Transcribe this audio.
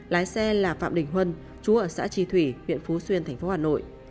lái xe là phạm đình huân trú ở xã trì thủy huyện phú xuyên tp hcm